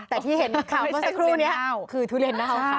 แต่ที่เห็นข่าวเมื่อสักครู่นี้คือทุเรียนนะคะ